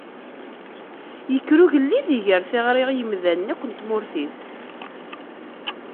Ikker ugellid iger tiɣri i yimdanen akk n tmurt-is.